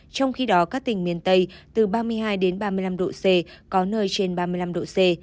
trong khi đó các tỉnh miền tây từ ba mươi hai ba mươi năm độ c có nơi trên ba mươi năm độ c